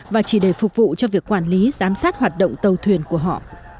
và chỉ để phục vụ cho việc quản lý giám sát hoạt động tàu thuyền của họ